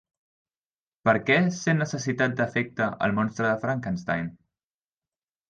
Per què sent necessitat d'afecte el monstre de Frankenstein?